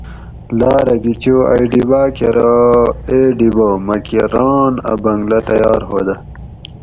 "لاۤرہ گھی چو ائی ڈیباۤ کہ ارو ""اے ڈیبہ مکہ ران اۤ بنگلہ تیار ہودہ"""